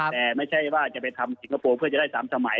แต่ไม่ใช่ว่าจะไปทำสิงคโปร์เพื่อจะได้๓สมัย